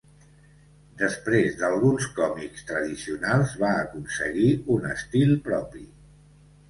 Després d'alguns còmics tradicionals va aconseguir un estil propi.